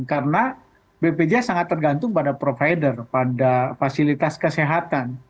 karena bpjs sangat tergantung pada provider pada fasilitas kesehatan